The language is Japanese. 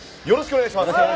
よろしくお願いします。